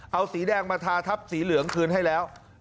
เอาสีแดงมาทาทับสีเหลืองคืนให้แล้ว